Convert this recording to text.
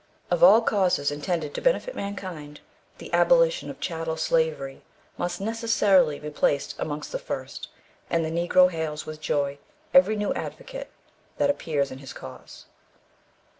Of all causes intended to benefit mankind, the abolition of chattel slavery must necessarily be placed amongst the first, and the Negro hails with joy every new advocate that appears in his cause.